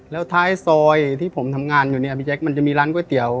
แล้วท้ายซอยที่ผมทำงานอยู่เนี่ยพี่แจ๊คมันจะมีร้านก๋วยเตี๋ยว